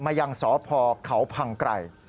มายังสอพอเขาพังไกล